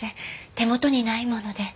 手元にないもので。